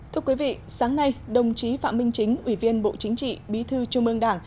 thưa quý vị sáng nay đồng chí phạm minh chính ủy viên bộ chính trị bí thư trung ương đảng